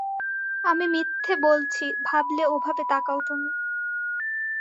আমি মিথ্যে বলছি ভাবলে ওভাবে তাকাও তুমি।